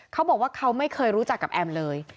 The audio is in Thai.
เขาบอกว่าเขาไม่เคยรู้จักกับแอมเลย